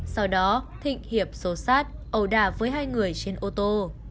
sau đó thịnh hiệp xô xát ẩu đà với hai người trên ô tô